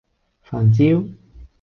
飯焦